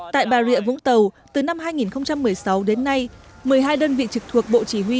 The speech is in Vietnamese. tại bà rịa vũng tàu từ năm hai nghìn một mươi sáu đến nay một mươi hai đơn vị trực thuộc bộ chỉ huy